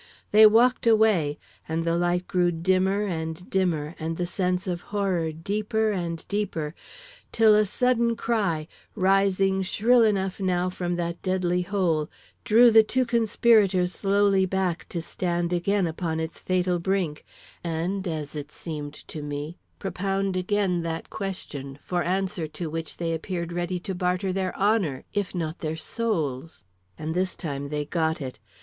They walked away, and the light grew dimmer and dimmer and the sense of horror deeper and deeper, till a sudden cry, rising shrill enough now from that deadly hole, drew the two conspirators slowly back to stand again upon its fatal brink, and, as it seemed to me, propound again that question, for answer to which they appeared ready to barter their honor, if not their souls. "And this time they got it.